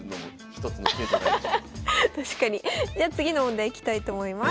じゃ次の問題いきたいと思います。